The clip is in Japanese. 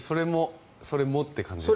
それもって感じです。